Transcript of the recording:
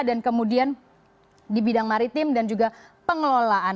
dan kemudian di bidang maritim dan juga pengelolaan